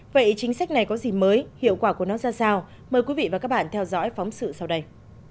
vậy chính sách này có gì mới hiệu quả của nó ra sao mời quý vị và các bạn theo dõi phóng sự sau đây